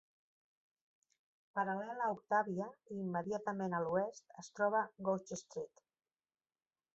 Paral·lel a Octavia i immediatament a l'oest, es troba Gough Street.